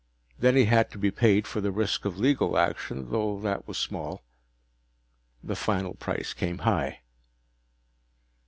Then he had to be paid for the risk of legal action, though that was small. The final price came high.